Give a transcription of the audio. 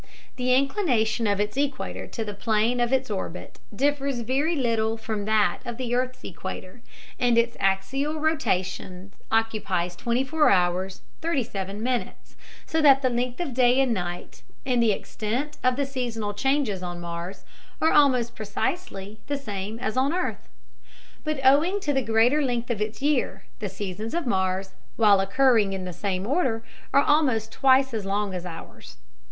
The inclination of its equator to the plane of its orbit differs very little from that of the earth's equator, and its axial rotation occupies 24 hours 37 minutes. so that the length of day and night, and the extent of the seasonal changes on Mars, are almost precisely the same as on the earth. But owing to the greater length of its year, the seasons of Mars, while occurring in the same order, are almost twice as long as ours.